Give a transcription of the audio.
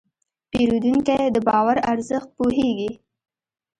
پیرودونکی د باور ارزښت پوهېږي.